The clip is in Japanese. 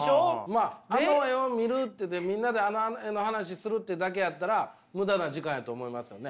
まああの絵を見るってみんなであの絵の話をするってだけやったら無駄な時間やと思いますよね。